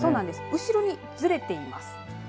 後ろにずれています。